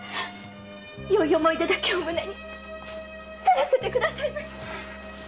良い思い出だけを胸に去らせてくださいまし！